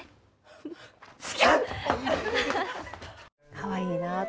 かわいいなあと。